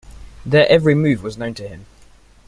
Their every move was known to him.